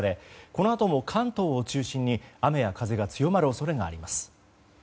このあとも関東を中心に雨や風が強まる恐れがあります。